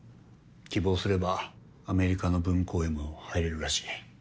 希望すればアメリカの分校へも入れるらしい。